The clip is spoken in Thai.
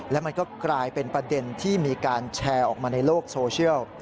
และมันก็กลายเป็นประเด็นที่มีการแชร์ออกมาในโลกโซเชียล